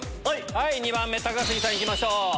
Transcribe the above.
２番目、高杉さんいきましょう。